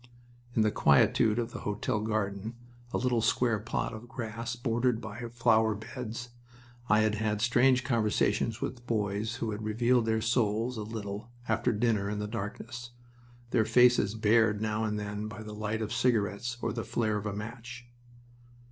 In the quietude of the hotel garden, a little square plot of grass bordered by flower beds, I had had strange conversations with boys who had revealed their souls a little, after dinner in the darkness, their faces bared now and then by the light of cigarettes or the flare of a match.